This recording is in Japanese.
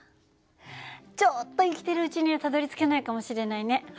ちょっと生きてるうちにはたどりつけないかもしれないね。